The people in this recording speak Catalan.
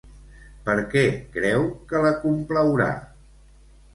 Per què creu que la complaurà?